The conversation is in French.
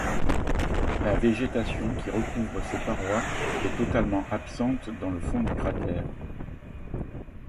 La végétation qui recouvre ses parois et totalement absente dans le fond du cratère.